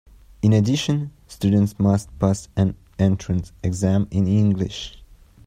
In addition, students must pass an entrance exam in English.